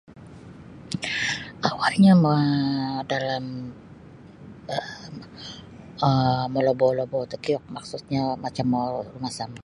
Awalnya dalam [unintelligible] um malobou-lobou takiuk maksudnya macam mau rumasam.